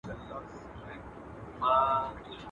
لښکر که ډېر وي، بې مشره هېر وي.